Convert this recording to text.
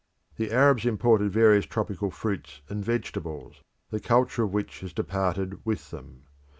The Arabs imported various tropical fruits and vegetables, the culture of which has departed with them.